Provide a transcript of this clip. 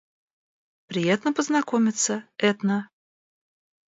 Приятно познакомиться, Этна.